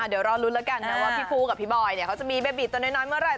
เดี๋ยวรอลุ้นแล้วกันนะว่าพี่ฟูกับพี่บอยเขาจะมีเบบีตัวน้อยเมื่อไหร